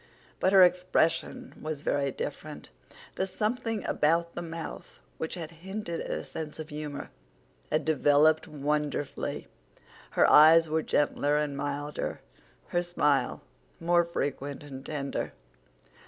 But her expression was very different; the something about the mouth which had hinted at a sense of humor had developed wonderfully; her eyes were gentler and milder, her smile more frequent and tender.